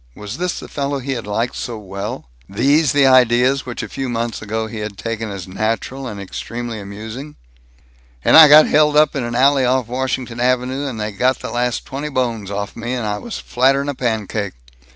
Was this the fellow he had liked so well? These the ideas which a few months ago he had taken as natural and extremely amusing? "And I got held up in an alley off Washington Avenue, and they got the last twenty bones off'n me, and I was flatter 'n a pancake.